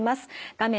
画面